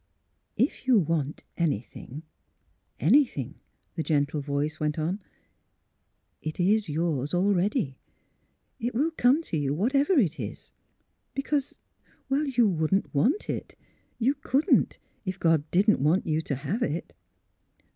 " If you want anything — anything," the gentle voice went on, ^' it is yours already. It will come to you — whatever it is. Because you wouldn't want it — you couldn't, if God didn't want you to have it.